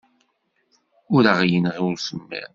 Ur aɣ-yenɣi usemmiḍ.